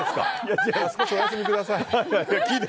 少しお休みください。